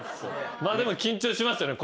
でも緊張しますよね